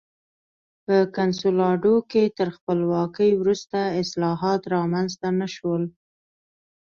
په کنسولاډو کې تر خپلواکۍ وروسته اصلاحات رامنځته نه شول.